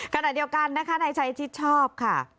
ขณะเดียวกันนะคะนายชัยชิดชอบค่ะ